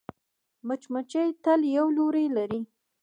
مچمچۍ تل یو لوری لري